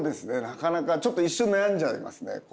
なかなかちょっと一瞬悩んじゃいますね。